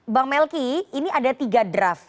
bang melki ini ada tiga draft